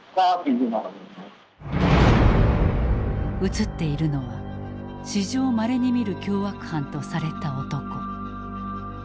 映っているのは史上まれに見る凶悪犯とされた男。